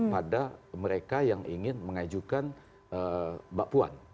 pada mereka yang ingin mengajukan mbak puan